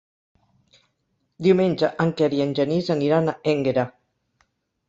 Diumenge en Quer i en Genís aniran a Énguera.